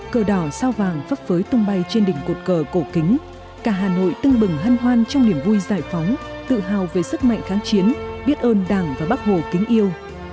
cờ đỏ sao vàng phấp phới tung bay trên đỉnh cột cờ cổ kính cả hà nội tưng bừng hân hoan trong niềm vui giải phóng tự hào về sức mạnh kháng chiến biết ơn đảng và bác hồ kính yêu